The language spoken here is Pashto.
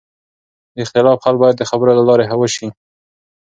د اختلاف حل باید د خبرو له لارې وشي